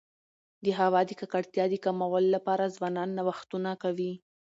د هوا د ککړتیا د کمولو لپاره ځوانان نوښتونه کوي.